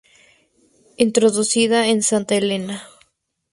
Introducida en Santa Helena.